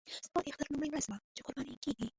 سبا د اختر لومړۍ ورځ وه چې قرباني کېږي.